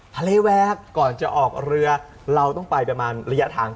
ทะเลแวกก่อนจะออกเรือเราต้องไปประมาณระยะทาง